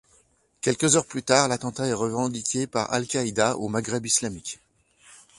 Quelques heures plus tard, l'attentat est revendiqué par Al-Qaida au Maghreb islamique.